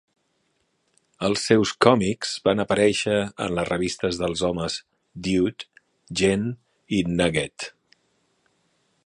Els seus còmics van aparèixer en les revistes dels homes "Dude", "gent" i "Nugget".